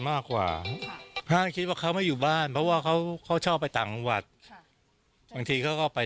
มากกว่าห้างคิดว่าเขาไม่อยู่บ้านเพราะว่าเขาเขาชอบไปต่างจังหวัดบางทีเขาก็ไป